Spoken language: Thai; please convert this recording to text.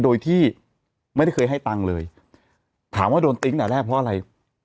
โดยที่ไม่ได้เคยให้ตังค์เลยถามว่าโดนติ๊งแต่แรกเพราะอะไร